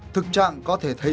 thực trạng có thể như thế nào